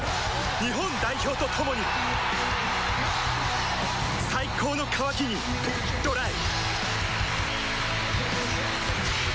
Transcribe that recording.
日本代表と共に最高の渇きにＤＲＹ